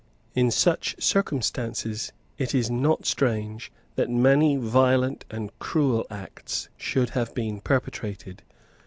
In such circumstances it is not strange that many violent and cruel acts should have been perpetrated.